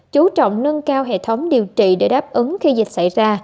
chú trọng nâng cao hệ thống điều trị để đáp ứng khi dịch xảy ra